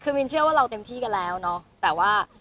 คือมินเชื่อว่าเราเต็มที่กันแล้วเนาะแต่ว่า